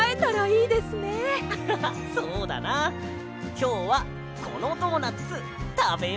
きょうはこのドーナツたべようぜ。